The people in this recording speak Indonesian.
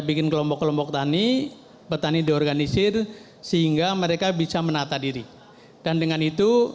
bikin kelompok kelompok tani petani diorganisir sehingga mereka bisa menata diri dan dengan itu